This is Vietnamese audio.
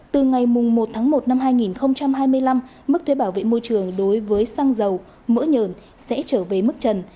từ ngày một tháng một năm hai nghìn hai mươi năm mức thuế bảo vệ môi trường đối với xăng dầu mỡ nhờn sẽ trở về mức trần